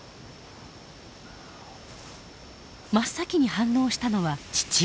真っ先に反応したのは父親。